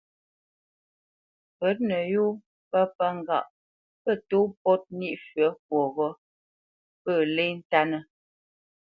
Pə̌t nə yó pə̂ pə́ ŋgâʼ pə tó pôt nî fyə̌ fwoghó pə lê ntánə́.